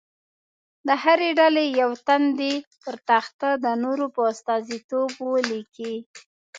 د هرې ډلې یو تن دې پر تخته د نورو په استازیتوب ولیکي.